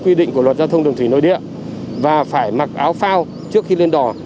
quy định của luật giao thông đường thủy nội địa và phải mặc áo phao trước khi lên đò